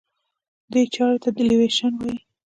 دې چارې ته Devaluation وایي.